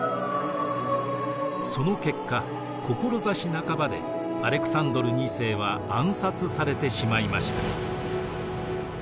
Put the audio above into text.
その結果志半ばでアレクサンドル２世は暗殺されてしまいました。